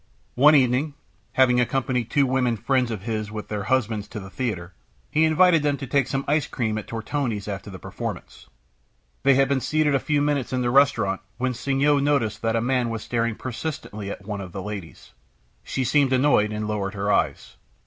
One evening, having accompanied two women friends of his with their husbands to the theatre, he invited them to take some ice cream at Tortoni's after the performance. They had been seated a few minutes in the restaurant when Signoles noticed that a man was staring persistently at one of the ladies. She seemed annoyed, and lowered her eyes.